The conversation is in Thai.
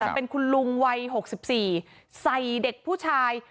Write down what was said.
แต่เป็นคุณรุงวัยหนึ่งสิบสี่ใส่เด็กผู้ชาย